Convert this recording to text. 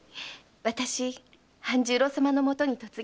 私半十郎様のもとに嫁ぎます。